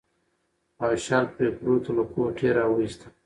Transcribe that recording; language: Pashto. او شال پرې پروت و، له کوټې راوایسته.